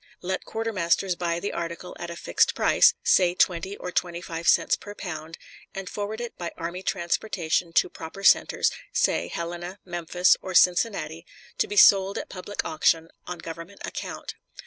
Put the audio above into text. Let quartermasters buy the article at a fixed price, say twenty or twenty five cents per pound, and forward it by army transportation to proper centers, say Helena, Memphis, or Cincinnati, to be sold at public auction on Government account.